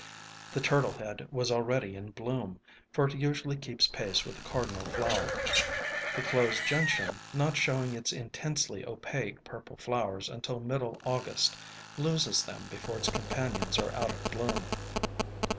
The Turtle Head was already in bloom, for it usually keeps pace with the Cardinal Flower. The Closed Gentian not showing its intensely opaque purple flowers until middle August, loses them before its companions are out of bloom.